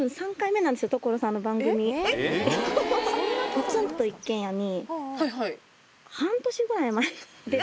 『ポツンと一軒家』に。